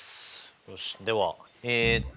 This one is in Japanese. よしではえっと